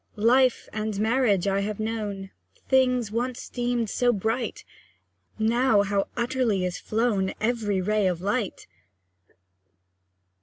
Life and marriage I have known. Things once deemed so bright; Now, how utterly is flown Every ray of light!